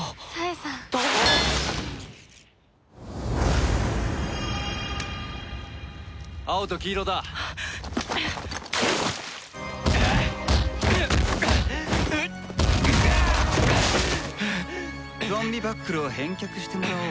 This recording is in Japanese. ゾンビバックルを返却してもらおうか。